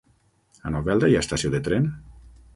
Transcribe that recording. A Novelda hi ha estació de tren?